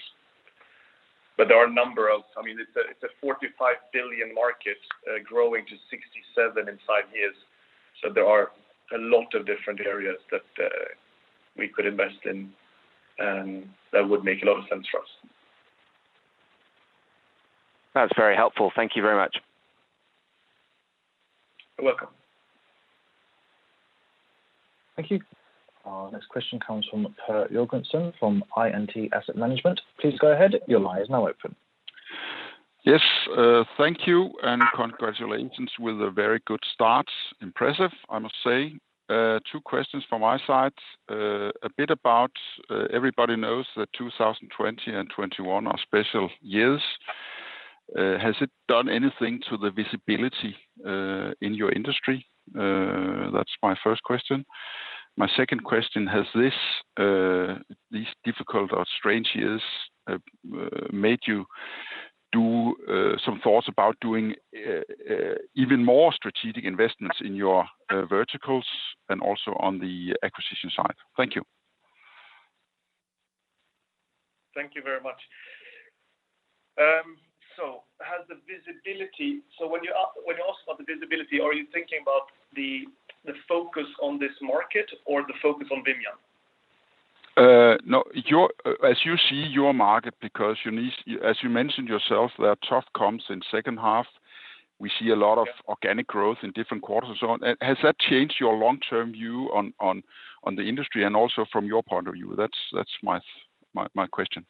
It's a 45 billion market growing to 67 billion in five years. There are a lot of different areas that we could invest in that would make a lot of sense for us. That's very helpful. Thank you very much. You're welcome. Thank you. Our next question comes from Per Jørgensen from I&T Asset Management. Please go ahead. Your line is now open. Yes. Thank you, and congratulations with a very good start. Impressive, I must say. Two questions from my side. A bit about everybody knows that 2020 and 2021 are special years. Has it done anything to the visibility in your industry? That's my first question. My second question, has these difficult or strange years made you do some thoughts about doing even more strategic investments in your verticals and also on the acquisition side? Thank you. Thank you very much. When you ask about the visibility, are you thinking about the focus on this market or the focus on Vimian? As you see your market, because as you mentioned yourself, that trough comes in second half. We see a lot of organic growth in different quarters and so on. Has that changed your long-term view on the industry and also from your point of view? That's my question.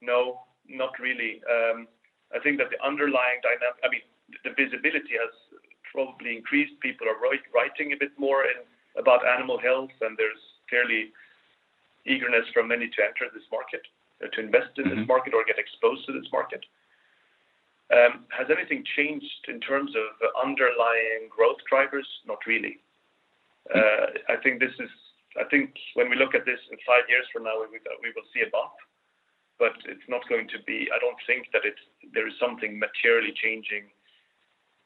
No, not really. I think that the visibility has probably increased. People are writing a bit more about animal health, and there's clearly eagerness from many to enter this market, to invest in this market or get exposed to this market. Has anything changed in terms of underlying growth drivers? Not really. I think when we look at this in five years from now, we will see a bump, but I don't think that there is something materially changing.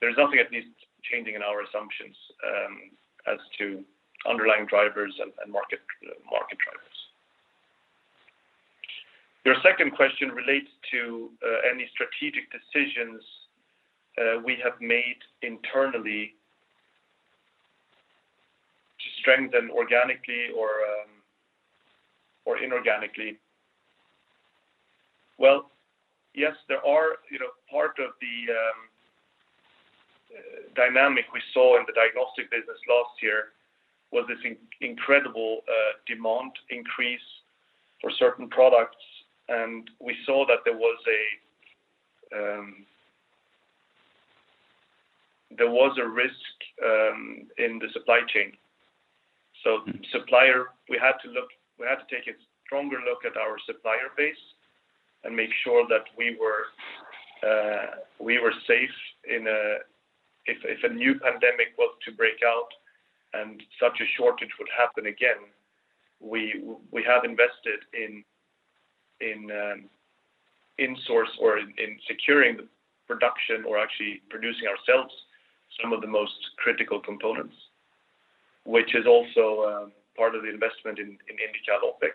There's nothing at least changing in our assumptions as to underlying drivers and market drivers. Your second question relates to any strategic decisions we have made internally to strengthen organically or inorganically. Well, yes. Part of the dynamic we saw in the Diagnostics business last year was this incredible demand increase for certain products, and we saw that there was a risk in the supply chain. We had to take a stronger look at our supplier base and make sure that we were safe if a new pandemic was to break out and such a shortage would happen again. We have invested in securing the production or actually producing ourselves some of the most critical components, which is also part of the investment in Indical OpEx.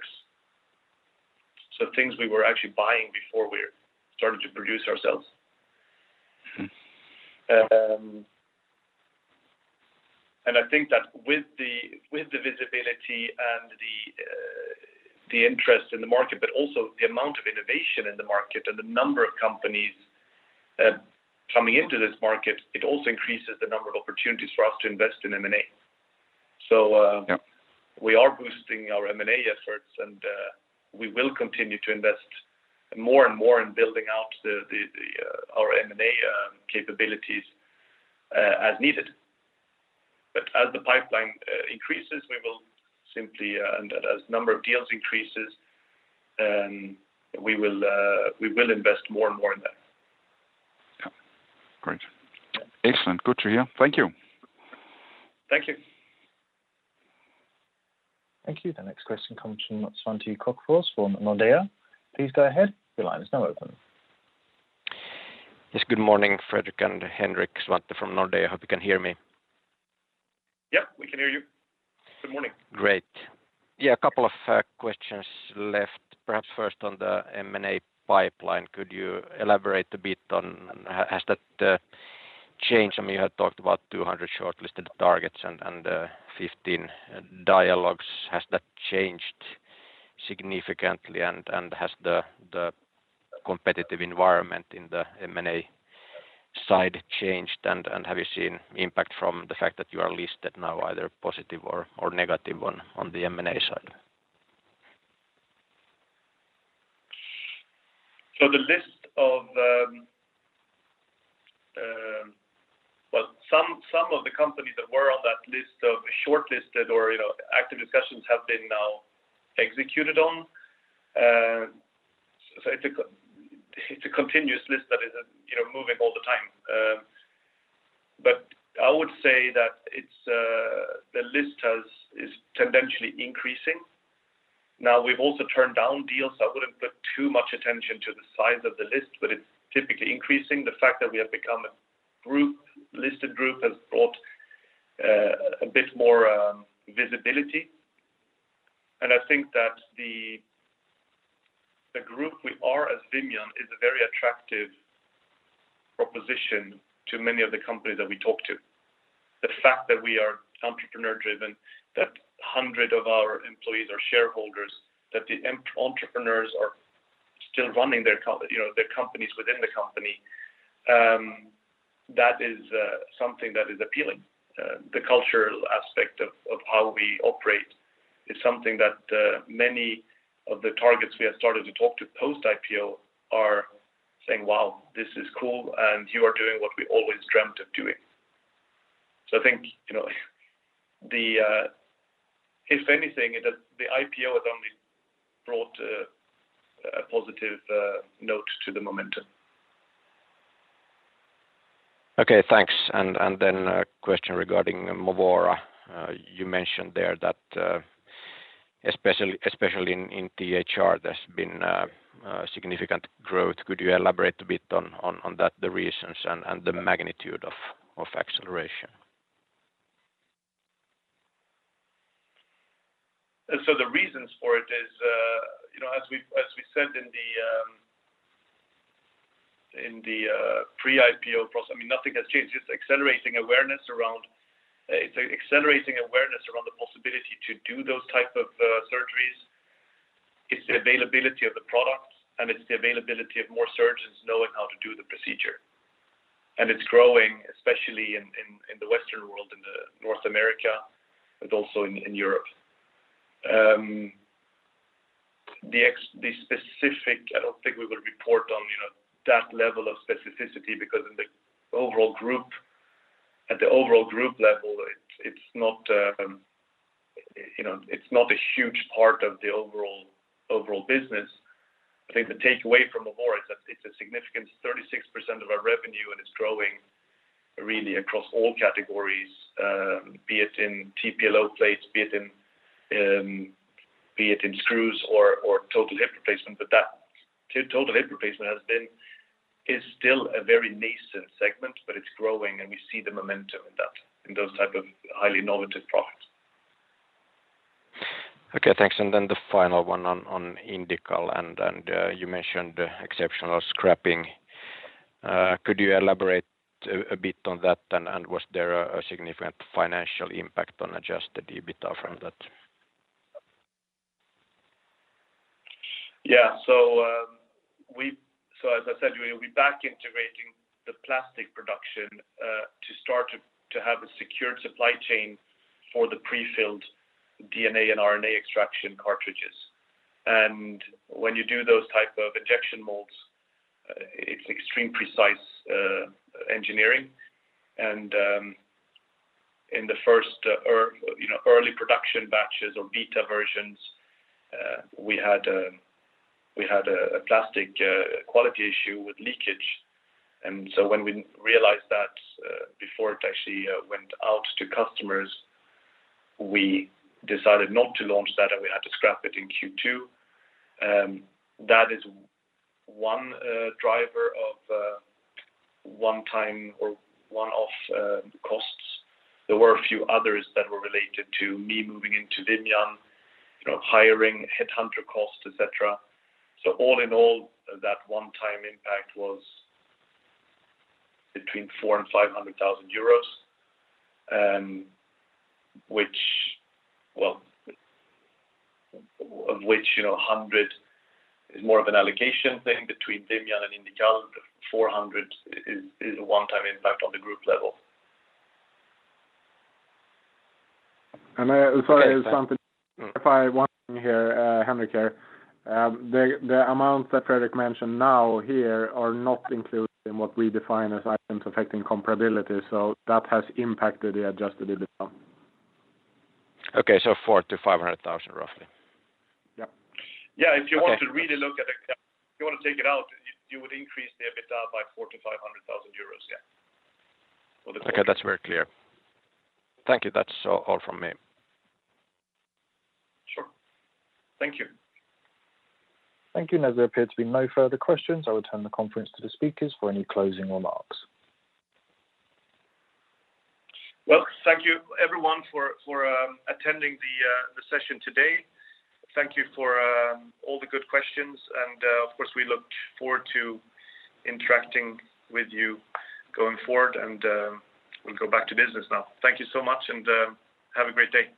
Things we were actually buying before, we started to produce ourselves. I think that with the visibility and the interest in the market, but also the amount of innovation in the market and the number of companies coming into this market, it also increases the number of opportunities for us to invest in M&A. Yep. We are boosting our M&A efforts, and we will continue to invest more and more in building out our M&A capabilities as needed. As the pipeline increases and as number of deals increases, we will invest more and more in that. Yeah. Great. Excellent. Good to hear. Thank you. Thank you. Thank you. The next question comes from Svante Krokfors from Nordea. Please go ahead. Yes. Good morning, Fredrik and Henrik. Svante from Nordea. Hope you can hear me. Yep, we can hear you. Good morning. Great. Yeah, a couple of questions left, perhaps first on the M&A pipeline. Could you elaborate a bit on has that changed? You had talked about 200 shortlisted targets and 15 dialogues. Has that changed significantly? Has the competitive environment in the M&A side changed? Have you seen impact from the fact that you are listed now, either positive or negative on the M&A side? Some of the companies that were on that list of shortlisted or active discussions have been now executed on. It's a continuous list that is moving all the time. I would say that the list is tendentially increasing. Now, we've also turned down deals, so I wouldn't put too much attention to the size of the list, but it's typically increasing. The fact that we have become a listed group has brought a bit more visibility, and I think that the group we are as Vimian is a very attractive proposition to many of the companies that we talk to. The fact that we are entrepreneur-driven, that 100 of our employees are shareholders, that the entrepreneurs are still running their companies within the company, that is something that is appealing. The cultural aspect of how we operate is something that many of the targets we have started to talk to post-IPO are saying, "Wow, this is cool, and you are doing what we always dreamt of doing." I think if anything, the IPO has only brought a positive note to the momentum. Okay, thanks. A question regarding Movora. You mentioned there that especially in THR, there's been significant growth. Could you elaborate a bit on the reasons and the magnitude of acceleration? The reasons for it is, as we said in the pre-IPO process, nothing has changed. It's accelerating awareness around the possibility to do those type of surgeries. It's the availability of the products, and it's the availability of more surgeons knowing how to do the procedure. It's growing, especially in the Western World, in North America, but also in Europe. The specific, I don't think we're going to report on that level of specificity because at the overall group level, it's not a huge part of the overall business. I think the takeaway from Movora is that it's a significant 36% of our revenue, and it's growing really across all categories, be it in TPLO plates, be it in screws or total hip replacement. That total hip replacement is still a very nascent segment, but it's growing, and we see the momentum in those type of highly innovative products. Okay, thanks. The final one on Indical, and you mentioned exceptional scrapping. Could you elaborate a bit on that, and was there a significant financial impact on adjusted EBITDA from that? Yeah. As I said, we'll be back integrating the plastic production to start to have a secured supply chain for the prefilled DNA and RNA extraction cartridges. When you do those type of injection molds, it's extreme precise engineering, and in the first early production batches or beta versions, we had a plastic quality issue with leakage. When we realized that before it actually went out to customers, we decided not to launch that, and we had to scrap it in Q2. That is one driver of one-time or one-off costs. There were a few others that were related to me moving into Vimian, hiring, headhunter cost, et cetera. All in all, that one-time impact was between 400,000 and 500,000 euros, of which 100,000 is more of an allocation thing between Vimian and Indical. 400,000 is a one-time impact on the group level. Sorry, there's something if I want in here Henrik here. The amount that Fredrik mentioned now here are not included in what we define as items affecting comparability. That has impacted the adjusted EBITDA. Okay, 400,000-500,000 roughly. Yep. Yeah, if you want to really look at it, if you want to take it out, you would increase the EBITDA by 400,000-500,000 euros. Yeah. Okay. That's very clear. Thank you. That's all from me. Sure. Thank you. Thank you. As there appear to be no further questions, I will return the conference to the speakers for any closing remarks. Well, thank you everyone for attending the session today. Thank you for all the good questions, and of course, we look forward to interacting with you going forward. We'll go back to business now. Thank you so much, and have a great day.